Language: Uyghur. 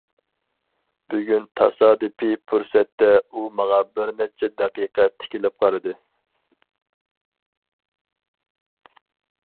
بۈگۈن تاسادىپىي پۇرسەتتە ئۇ ماڭا بىرنەچچە دەقىقە تىكىلىپ قارىدى.